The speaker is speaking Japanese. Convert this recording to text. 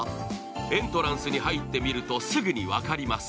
エントランスに入ってみるとすぐに分かります。